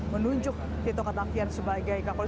menunjuk tito kataktian sebagai kapolri